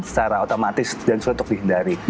secara otomatis dan sulit untuk dihindari